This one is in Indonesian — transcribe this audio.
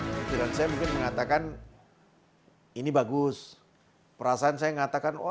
kira kira saya mungkin mengatakan ini bagus perasaan saya mengatakan